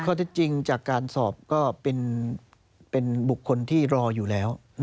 ที่จริงจากการสอบก็เป็นบุคคลที่รออยู่แล้ว